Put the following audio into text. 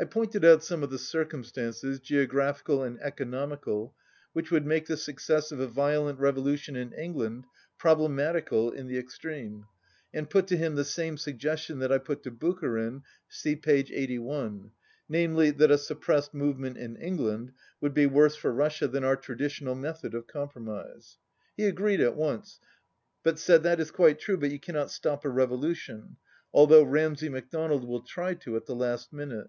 I pointed out some of the circumstances, geo graphical and economical, which would make the success of a violent revolution in England proble matical in the extreme, and put to him the same suggestion that I put to Bucharin (see page 81), namely, that a suppressed movement in England would be worse for Russia than our traditional method of compromise. He agreed at once, but said, "That is quite true, but you cannot stop a revolution ... although Ramsay MacDonald will try to at the last minute.